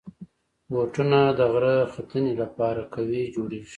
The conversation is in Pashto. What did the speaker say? بوټونه د غره ختنې لپاره قوي جوړېږي.